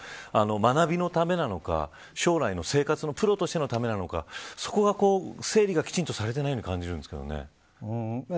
学びのためなのか将来の生活のプロとしてのためなのかそこが整理がきちんとされてないように感じるんですけどね。